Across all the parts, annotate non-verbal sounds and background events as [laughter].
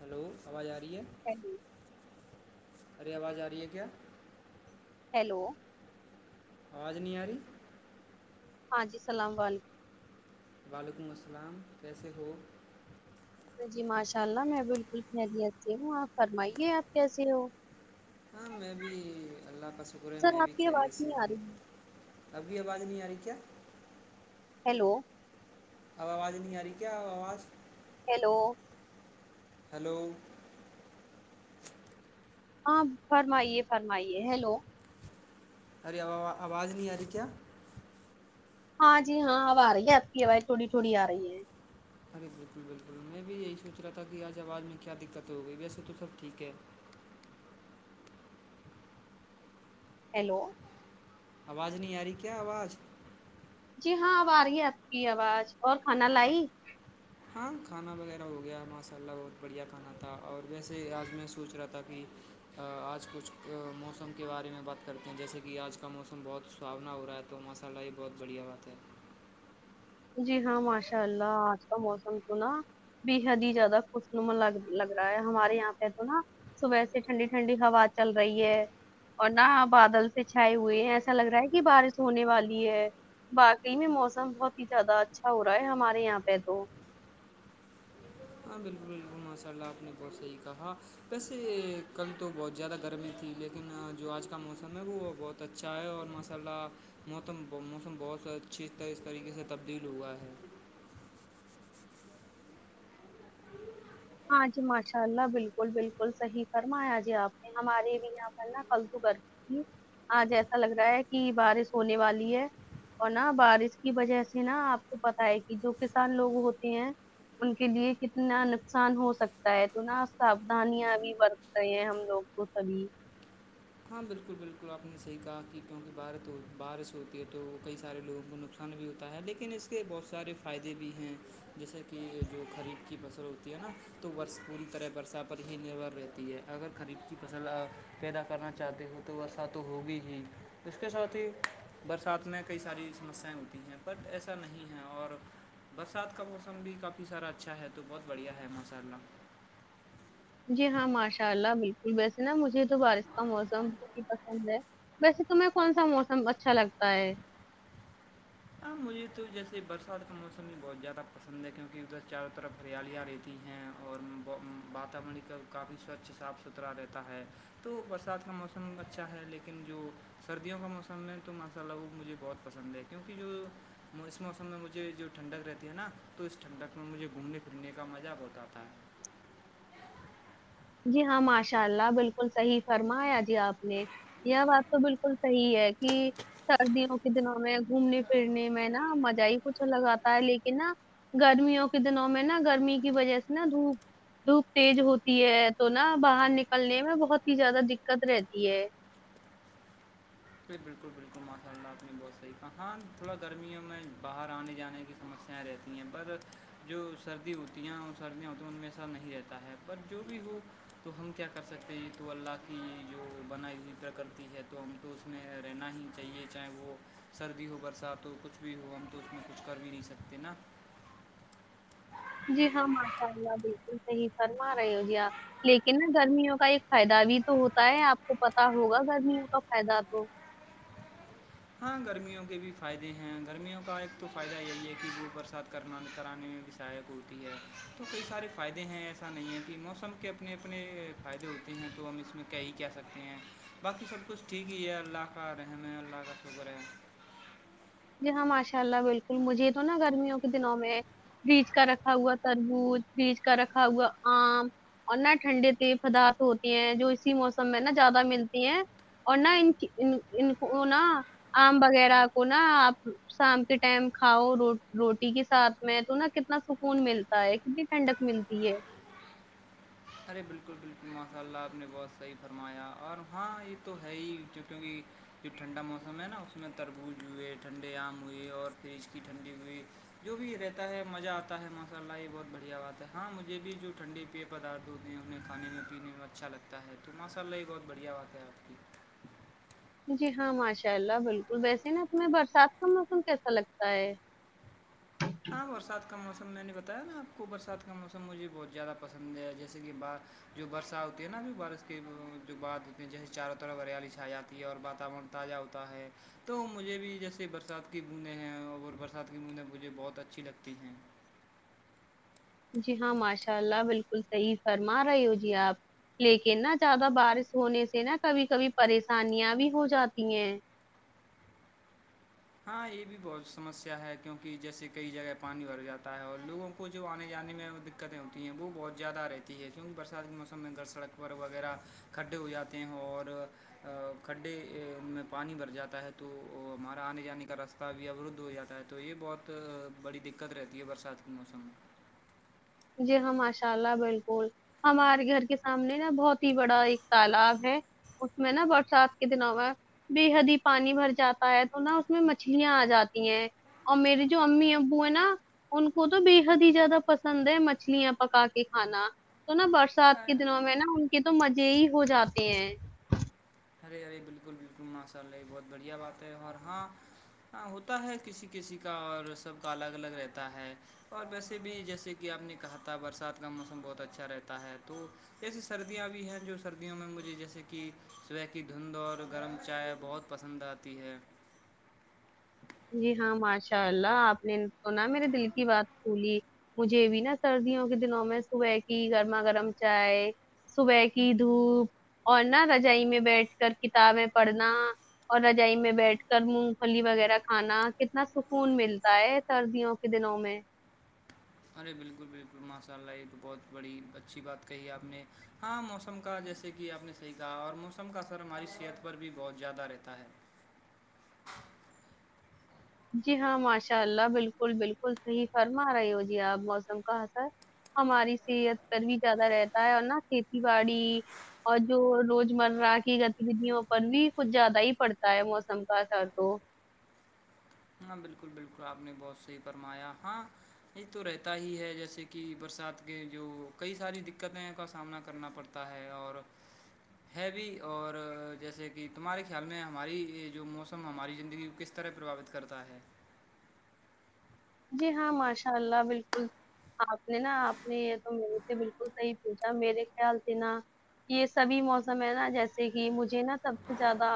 Hello آواز آ رہی ہے [unintelligible] ارے آواز آ رہی ہے کیا ہیلو آواز نہیں آ رہی ہاں جی اسلام و علیکم وعلیکم اسلام کیسے ہو جی ماشاء اللہ میں بالکل خیرییت سے ہوں آپ فرمائیے آپ کیسے ہو ہاں میں بھی اللہ کا شکر ہے سر میں بھی آپ کی آواز خیریت سے نہیں آ رہی ہے۔ ہوں ابھی آواز نہیں آ رہی کیا ہیلو اب آواز نہیں آ رہی کیا آواز ہیلو ہیلو ہاں فرمائیے فرمائیے ہیلو ارےو آواز نہیں آ رہی کیا ہاں جی ہاں اب آ رہی ہے آپ کی آواز تھوڑی تھوڑی آ رہی ہے ارے بالکل بالکل میں بھی یہی سوچ رہا تھا کہ آج آواز میں کیا دقت ہو گئی ویسے تو سب ٹھیک ہے ہیلو آواز نہیں آ رہی کیا آواز جی ہاں اب آ رہی ہے آپ کی آواز اور کھانا لائی ہاں کھانا وغیرہ ہو گیا ماشاء اللہ بہت بڑھیا کھانا تھا اور ویسے آج میں سوچ رہا تھا کہ آج کچھ موسم کے بارے میں بات کرتے ہیں جیسے کہ آج کا موسم بہت سہاونا ہو رہا تھا تو مساللہ ہی بہت بڑھیا بات ہے جی ہاں ماشاء اللہ آج کا موسم سنا بے حد ہی زیادہ خوش نما ل لگ رہا ہے ہمارے یہاں پہ تو نا صبح سے ٹھنڈی ٹھنڈی ہوا چل رہی ہے اور نہ بادل سے چھائے ہوئے ہیں ایسا لگ رہا ہے کہ بارش ہونے والی ہے باقی میں موسم بہت ہی زیادہ اچھا ہو رہا ہے ہمارے یہاں پہ تو ہاں بالکل بالکل ماشاء اللہ آپ نے بہت صحیح کہا ویسے کل تو بہت زیادہ گرمی تھی لیک لیکن جو آج کا موسم ہے وہ بہت اچھا ہے اور ماشاء اللہ موسم موسم بہت اچھی طح اس طریقے سے تبدیل ہوا ہے ہاں جی ماشاء اللہ بالکل بالکل صحیح فرمایا جی آپ ہمارے بھی یہاں پر نا کل تو گر آاںج جیسا لگ رہا ہے کہ بارش ہونے والی ہے اور نا بارش کی وجہ سے نا آپ کو پتا ہے کہ جو کسان لوگ ہوتے ہیں ان کے لیے کتنا ن نقصان ہو سکتا ہے تو نہا ساودھانیاں بھی برت رہ ہیں ہم لوگ کو سبھی ہاں بالکل بالکل آپ نے صحیح کہا کہ کیونکہ ب بارش ہوتی ہے تو وہ کئی سارے لوگوں کو نقصان نقصان بھی ہوتا ہے لیکن اس کے بہت سارے فائدے بھی ہیں جیسے کہ جو قریف کی فصل ہے نا تو بورس پوری طرح برسا پر ہی نربھر رہتی ہے اگر خریف کی فصل پیدا کرنا چاہے ہو تو ورسات تو ہوگی ہی اس کے ساتھ ہی برسات میں کئی ساری سمسیاائیں ہوتی ہیں بٹ ایسا نہیں ہے اور برسات کا موسم بھی کافی سارا اچھا ہے تو بہت بڑھیا ہے ماشاء اللہ جی ہاں ماشاء اللہ بالکل ویسے نا مجھے تو بارش کا موسم بہت ہی پسند ہے ویسے تمہیں کون سا موسم اچھا لگتا ہے ہاں مجھے تو جیسے برسات کا موسم بھی بہت زیادہ پسند ہے کیونک ادھر چاروں طرف ہریالییا رہتی ہیں اور واتاورن کا کافی سوچھ صاف ستھرا رہتا ہے تو برسات کا موسم اچھا ہے لیکن جو سردیوں کا موسم میں تو ماشاءاللہ مجھے بہت پسند ہے کیونکہ جو اس موسم میں مجھے جو ٹھنڈک رہتی ہے نا تو اس ٹھنڈک میں مجھے گھومنے پھرنے کا مزہ بہت آتا ہے جی ہاں ماشاء اللہ بلکل صحیح فرمایا جی آپ نے یہ بات تو بلکل صحی ہے کہ سردیوں کے دنوں میں گھومنے پھرنے میں نا مزہ ہی کچھ لگاتا ہے لیکن نا گرمیوں کے دنوں میں نا گرمی کی وجہ سے نا دھوپ دھوپ تیز ہوتی ہے تو نا باہر نکلنے میں بہت ہی زیادہ دقت رہتی ہے بلکل بلکل ماشاء اللہ آپ نے بہت صحیح کہاں ہاں تھوڑا گرمیوں میں باہر آنے جانے کی سمسیاں رہتی ہیں بس جو سردی ہوتی ہیں اور سردیاں ہوتی ہیں ان میں ایسا نہیں رہتا ہے پر جو بھی ہو تو ہم کیا کر سکتے ہیں یہ تو اللہ کی جو بنائی ہوی پرکرتی ہے تو ہم تو اس میں رہنا ہی چاہیے چاہے وہ سردی ہو برسات ہو کچھ بھی ہو ہم تو اس میں کچھ کر بھی نہیں سکتے تینا جی ہاں ماشاء اللہ بلکل صہی فرما رہے ہو جی آپ لیکن نا گرمیوں کا ایک فائدہ بھی تو ہوتا ہے آپ کو پتا ہوگا گرمیوں کا فائدہ تو ہاں گرمیوں کے بھی فائدے ہیں گرمیوں کا ایک تو فائدہ یہی ہے کہ وہ برسات کرنا کرانے میں بھی سہایک ہوتی ہے تو کئی سارے فائدے ہیں ایسا نہیں ہے کہ موسم کے اپنے اپنے فائدے ہوتے ہیں تو ہم اس میں کیا ہی کہہ سکتے ہیں باقی سب کچھ ٹھیک ہی ہے اللہ کا رحم ہے اللہ کا [unintelligible] جی ہاں ماشاء اللہ بلکل مجھے یہ تو نا گرمیوں کے دنوں میں فریج کا رکھا ہوا تربوز فریج کا رکھا ہوا آم اور نہ ٹھنڈے تی پدارت ہوتی ہیں جو اسی موسم میں نا زیادہ ملتی ہیں اور نہ ان ان کو نہ آم وغیرہ کو نہ شام کے ٹائم کھاؤ روٹی کے ساتھ میں تو نا کتنا سکون ملتا تا ہے کتنی ٹنڈک ملتی ہے ارے بلکل بلکل ماشاء اللہ آپ نے بہت صحی فرمایا اور ہاں یہ تو ہے ہی کیونکہ جو ٹھنڈا موسم ہے نا اس میں تربوز ہوئے ٹھنڈے آم ہوئے اور فریج کی ٹھنڈی ہوئی جو بھی رہتا ہے مزہ آتا ہے ماساء اللہ یہ بہت بڑھیا بات ہے ہاں مجھے بھی جو ٹھنڈی پیے پداردھ دودھنے انہیں کھانے میں پینے میں اچھا لگتا ہے تو ماشاء اللہ یہ بہت بڑھیا بات ہے آپ کی جی ہاں ماشاء اللہ بلکل ویسے نا اس میں برسات کا موسم کیسا لگتا ہے ہاں برسات کا موسم میں نے بتایا نا آپ کو برسات کا موسم مجھے بہت زیادہ پسند ہے جیسے کہ با جو برسات ہوتی ہے نا ابھی بارش کے جو بات ہوتی جیسے چاروں طرف ہریالی چھا جاتی ہے اور واتاورن تازہ ہوتا ہے تو مجھے بھی جیسے برسات کی بوندیں ہیں اور برسات کی بوندیں مجھے بہت بہت اچھی لگتی ہیں جی ہاں ماشاء اللہ بلکل صحی فرما رہے ہو جی آپ لیکن نا زیادہ بارش ہونے سے نا کبھی کبھی پریشانیاں بھی ہو جاتی ہیں ہاں یہ بھی بہت سمسیا ہے کیونکہ جیسے کئی جگہ پانی بھر جاتا ہے اور لوگوں کو جو آنے جانے میں دقتیں ہوتی ہیں وہ بہت زیادہ رہتی ہے کیونک برسات کے موسم میں گر سڑک پر وغیرہ کھڈے ہو جاتے ہیں اور کھڈے میں پانی بھر جاتا ہے تو ہمارے آنے جانے کا راستہ بھی ا روددھ ہو جاتا ہے تو یہ بہت بڑی دقت رہتی ہے برسات کے موسم میں جی ہاں ماشاء اللہ بلکل ہمارے گھر کے سامنے نا بہت ہی بڑا ایک تالاب ہے اس میں نا برسات کے دنوں میں بے حد ہی پانی بھر جاتا ہے تو نہ اس میں مچھلیاں آ جاتی ہیں اور میرے جو امی ابو ہیں نا ان کو تو بے حد ہی زیادہ پسند مچھلیاں پکا کے کھانا تو نہ برسات کے دنوں میں نہ ان کہ تو مزے ہی ہو جاتے ہیں ارے ارے بلکل بلکل ماشاء اللہ یہ بہت بڑھیا بات ہے اور ہاں ہاں ہوتا ہے کسی کسی کا اور سب کا الگ الگ رہتا ہے اور ویسے بھی جیسے کہ آپ نے کہا تھا برسات کا موسم بہت اچھا رہتا ہے تو ایسی سردیاں بھی ہیں جو سردیوں میں مجھے جیسے کہ صبح کی دھند اور گرم چائے بہت پسند آتی ہے جی ہاں ماشاء اللہ آپ نے تونا میرے دل کی بات بولی مجھے بھی نا سردیوں کے دنوں میں صبح کی گرما گرم چائے صبح کی دھوپ اور نہ رجائی میں بیٹھ کر کتابیں پڑھنا اور رجائی میں بیٹھ کر مونگ پھلی وغیرہ کھانا کتنا سکون ملتا ہے سردیوں کے دنوں میں ارے بالکل بالکل ماشاء اللہ یہ تو بہت بڑی اچھی بات کہی آپ نے ہاں موسم کا جیسے کہ آپ نے صحیح کہا اور موسم کا اثر ہماری صحت پر بھی بہت زیادہ رہتا ہے جی ہاں ماشاء اللہ بالکل بالکل صحیح فرم آ رہی ہو جی آپ موسم کہاں سر ہماری صحت پر بھی زیادہ رہتا ہے اور نا کھیتی باڑی اور جو روز مرہ کی گتی وھیوں پر بھی کچھ زیادہ ہی پڑتا ہے موسم کا اثر تو ہاں بالکل بالکل آپ نے بہت صحیح فرمایا ہاں یہ تو رہتا ہی ہے جیسے کہ برسات کے جو کئی ساری دقتیں کا سامنا کرنا پڑتا ہے اور ہےوی اور جیسے کہ تمہارے خیال میں ہماری جو موسم ہماری زندگی کو کس طرح پربھوت کرتا ہے جی ہاں ماشاء اللہ بالکل آپ نے نا آپ نے یہ تو مے سے بالکل صحیح پوچھا میرے خیال سے نا یہ سبھی موسم ہے نا جیسے کہ مجھے نا سب سے زیادہ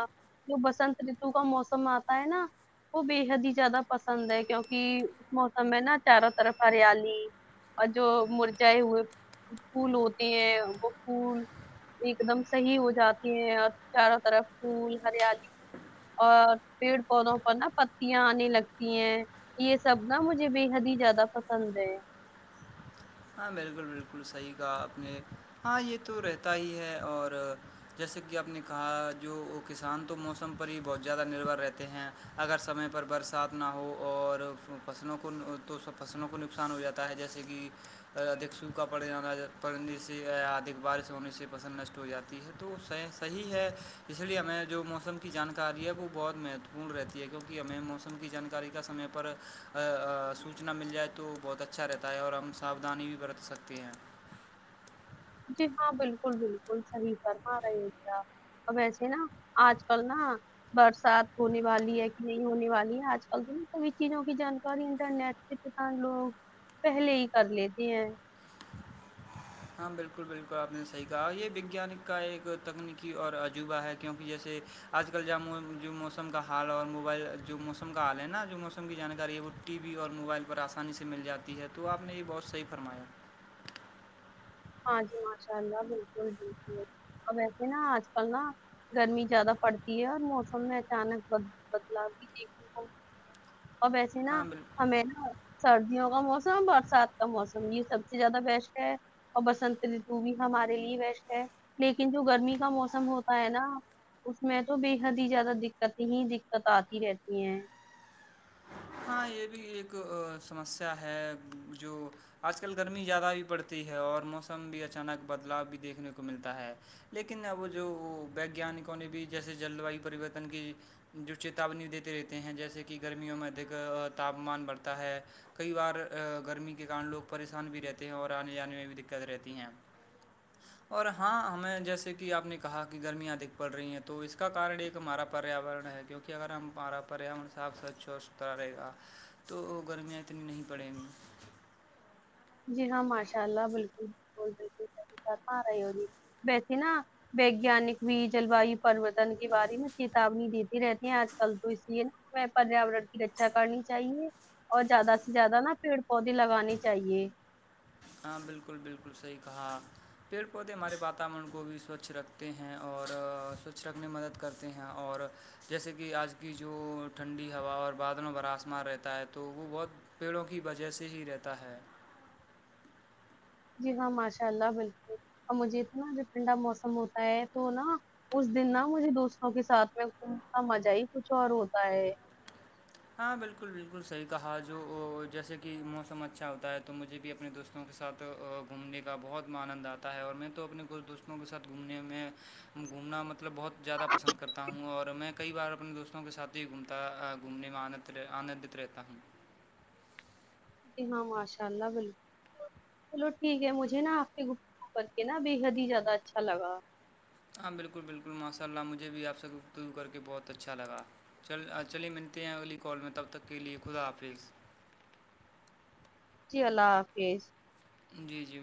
جو بسنت رتو کا موسم آتا ہے نا وہ بے حد ہی زیادہ پسند ہے کیونکہ موسم میں نا چاروں طرف ہریالی اور جو مرجائے ہوئے پھول ہوتے ہیں وہ پھول ایک دم صحیح ہو جاتی ہیں اور چاروں طرف پھول ہریالی اور پیڑ پودوں پر نا پتیاں آنے لگتی ہیں سبنا مجھے بے حد ہی زیادہ پسند ہے ہاں بالکل بالکل صحیح کا اپنے ہاں یہ تو رہتا ہی ہے اور جیسے کہ آپ نے کہا جو کسان تو موسم پر ہی بہت زیادہ نربھر رہتے ہیں اگر سمے پر برسات نہ ہو اور فصلوں کو تو فصلوں کو نقصان ہو جاتا تا ہے جیسے کہ ادھک سوکھا پڑ جانا پڑنے سے ادک بارش ہونے سے پسند نشٹ ہو جاتی ہے ہے تو صحی ہے اس لیے ہمیں جو موسم کی جانکاری ہے وہ بہت مہتو پورن رہتی ہے کیونکہ ہمیں موسم کی جانکاری کا سمے پر سوچنا مل جائے تو بہت اچھا رہتا ہے اور ہم ساودھانی بھی برت سکتے ہیں جی ہاں بالکل بالکل صحیح فرما رہے گ ویسے نا آج کل نا برسات ہونے والی ہے کہ نہیں ہونے والی ہے آج کل تو ن سبھی چیزوں کی جانکاری انٹرنیٹ جتت لوگ پہلے ہی کر لیتے ہیں ہاں بالکل بالکل آپ نے صحیح کہا یہ وگیانک کا ایک تکنیکی اور عجوبہ ہے کیونکہ جیسے آج کل ج جو موسم کا حال اور موبائل جو موسم کا حال ہے نا جو موسم کی جانکاری ہے وہ ٹی وی اور موبائل پر آسانی سے مل جاتی ہے تو آپ نے یہ بہت صحیح فرمایا ہاں جی ماشاء اللہ بالکل بالکل اور وسے نا آج کل نا گرمی زیادہ پڑتی ہے اور موسم میں اچانک بدلاؤ کی دیکھنے کو اور ویسے نا ہاں بالکل ہمیں نا سردیوں کا موسم برسات کا موسم یہ سب سے زیادہ بیسٹ ہے اور بسنت رتو بھی ہمارے لیے بیسٹ ہے لیکن جو گرمی کا موسم ہوتا ہے نا اس میں تو بے حد ہی زیادہ دقتیں ہی دقت آتی رہتی ہیں ہاں یہ بھی ایک سمسیا ہے جو آج کل گرمی زیادہ بھی پڑتی ہے اور موسم بھی اچانک بدلاؤ بھی دیکھنے کو ملتا ہے لیکن اب جو ویگانکوں نے بھی جیسے جل وایو پریورتن کی جو چیتاونی دیتے رہتے ہیں جیسے کہ گرمیوں میں د تاپمان بڑھتا ہے کئی بار گرمی کے کارن لوگ پریشان بھی رہتے ہیں اور آنے جانے میں بھی دقت رہتی ہیں [inaudible] اور ہاں ہمیں جیسے کہ آپ نے کہا کہ گرمیاں ادک بڑھ رہی ہیں تو اس کا کارن ایک ہمارا پریاورن ہے کیونکہ کہ اگر ہمارا پریاورن صاف سوچ اترا رہے گا تو گرمیاں اتنی نہیں پڑیں گی جی ہاں ماشاء اللہ بالکل بلکل صحیح فرما رہے ہو جی ویسیے نا ویگیانک بھی جلواہی پر وطن کے باری میں چیتونی دی تھی آج کل تو اس لیے نا میں پریاورن کی رکھشا کرنی چاہیے اور زیادہ سے زیادہ نا پیڑ پودے لگانی چاہیے ہاں بالکل بالکل صحیح کہا پیڑ پودے ہمارے واتاورن کو بھی سوچ رکھتے ہیں اور سوچ رکھنے میں مدد کرتے ہیں اور جیسے کہ آج کی جو ٹھنڈی ہوا اور بادل و بھرا آسمان رہتا ہے تو وہ بہت پیڑوں کی وجہ سے ہی رہتا ہے جی ہاں ماشاء اللہ بالکل اور مجھے اتنا جو ٹھنڈا موسم ہوتا ہے تو نا اس دن نہ مجھے دوستوں کے ساتھ میں گھومنا مزہ ہی کچھ اور ہوتا ہے ہاں بالکل بالکل صحیح کہا جو جیسے کہ موسم اچھا ہوتا ہے تو مجھے بھی اپنے دوست دوستوں کے ساتھ گھومنے کا بہت مانند آتا ہے اور میں تو اپنے کچھ دوستوں کے ساتھ گھومنے میں گھومنا مطلب بہت زیادہ پسند کرتا ہوں اور میں کئی بار اپنے دوستوں کے ساتھ ہی گھومتا گھومنے میں انت آنندت رہتا ہوں جی ہاں ماشاء اللہ بالکل چلو ٹھیک ہے مجھے نا آپ کے گفتگو کرکے نا بے حد ہی زیادہ اچھا لگا ہاں بالکل بالکل ماشاء اللہ مجھے بھی آپ سے گفتگو کر کے بہت اچھا لگا چل چلیے ملتے ہیں اگلی کال میں تب تک کے لیے خدا حافظ جی اللہ حافظ جی جی